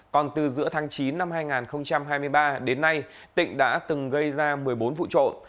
còn từ giữa tháng chín năm hai nghìn hai mươi ba đến nay tỉnh đã từng gây ra một mươi bốn vụ trộm